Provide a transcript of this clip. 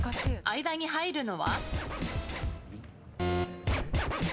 間に入るのは？